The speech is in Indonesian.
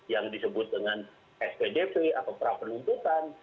yang disebut dengan spdp atau prapenuntutan